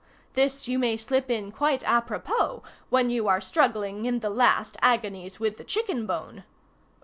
This you may slip in quite a propos when you are struggling in the last agonies with the chicken bone.